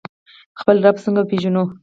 خپل رب څنګه وپیژنو؟